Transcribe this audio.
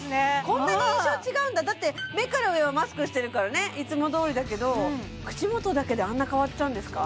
こんなに印象違うんだだって目から上はマスクしてるからねいつもどおりだけど口元だけであんな変わっちゃうんですか？